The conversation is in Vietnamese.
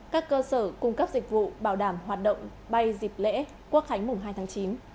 các cơ sở cung cấp dịch vụ bảo đảm hoạt động bay dịp lễ quốc khánh mùng hai tháng chín